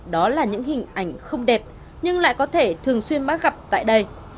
đó là những hình ảnh không đẹp nhưng lại có thể thường xuyên bác gặp tại đây